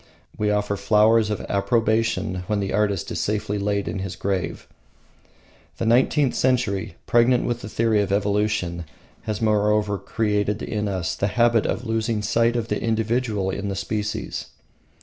We offer flowers of approbation when the artist is safely laid in his grave. The nineteenth century, pregnant with the theory of evolution, has moreover created in us the habit of losing sight of the individual in the species.